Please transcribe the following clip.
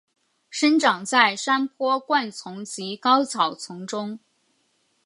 生长在山坡灌丛及高草丛中。